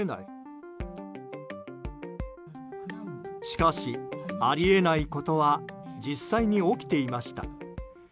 しかし、あり得ないことは実際に起きていました。